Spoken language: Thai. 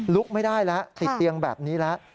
ไม่ได้แล้วติดเตียงแบบนี้แล้ว